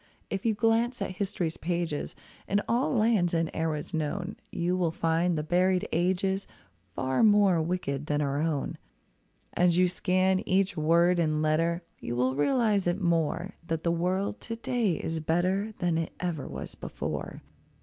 If you glance at history's pages, In all lands and eras known, You will find the buried ages Far more wicked than our own. As you scan each word and letter. You will realise it more, That the world to day is better Than it ever was before.